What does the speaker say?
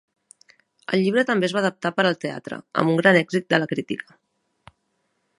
El llibre també es va adaptar per al teatre, amb un gran èxit de la crítica.